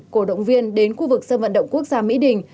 cổ động viên đến khu vực sân vận động quốc gia mỹ đình